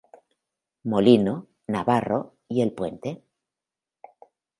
Molino, Navarro y El Puente.